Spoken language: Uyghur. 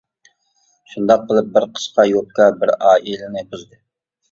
شۇنداق قىلىپ بىر قىسقا يوپكا بىر ئائىلىنى بۇزدى.